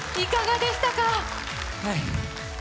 いかがでしたか？